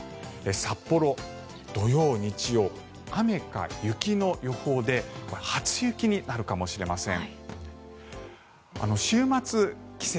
札幌、土曜、日曜雨か雪の予報で初雪になるかもしれません。